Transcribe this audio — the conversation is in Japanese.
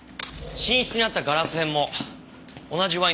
寝室にあったガラス片も同じワインのボトルでした。